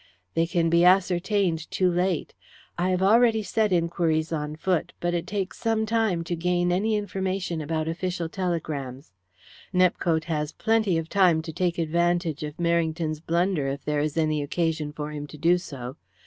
"They can be ascertained too late. I have already set inquiries on foot, but it takes some time to gain any information about official telegrams. Nepcote has plenty of time to take advantage of Merrington's blunder, if there is any occasion for him to do so.